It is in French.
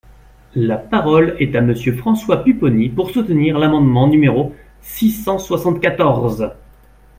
La parole est à Monsieur François Pupponi, pour soutenir l’amendement numéro six cent soixante-quatorze.